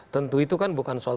tentu itu kan bukan soal